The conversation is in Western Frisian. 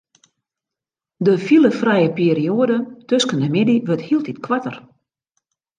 De filefrije perioade tusken de middei wurdt hieltyd koarter.